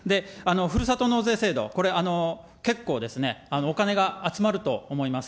ふるさと納税制度、これ、結構ですね、お金が集まると思います。